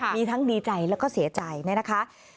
มีทั้งดีใจแล้วก็เสียใจเนี่ยนะคะ